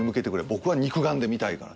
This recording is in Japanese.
僕は肉眼で見たいから。